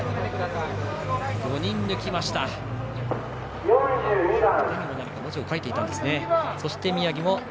５人抜きました。